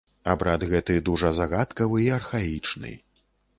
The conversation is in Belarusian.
Абрад гэты дужа загадкавы і архаічны.